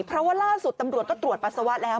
เพราะว่าล่าสุดตำรวจก็ตรวจปัสสาวะแล้ว